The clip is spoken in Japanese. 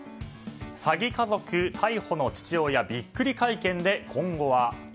詐欺家族、逮捕の父親ビックリ会見で今後は？